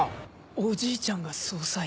おじいちゃんが捜査員？